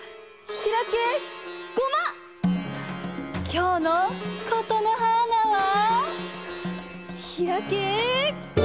きょうのことのはーなは。